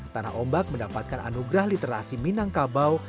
tanah ombak mendapatkan anugerah literasi minangkabau